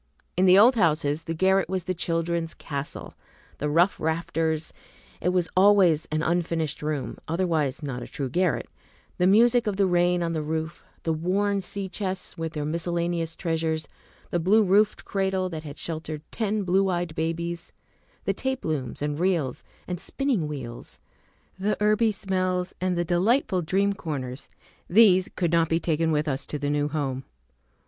In the old houses the garret was the children's castle. The rough rafters, it was always ail unfinished room, otherwise not a true garret, the music of the rain on the roof, the worn sea chests with their miscellaneous treasures, the blue roofed cradle that had sheltered ten blue eyed babies, the tape looms and reels and spinning wheels, the herby smells, and the delightful dream corners, these could not be taken with us to the new home.